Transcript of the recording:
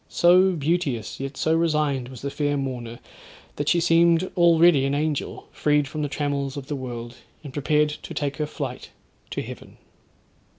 So beauteous, yet so resigned was the fair mourner, that she seemed already an angel freed from the trammels of the world, and prepared to take her flight to heaven.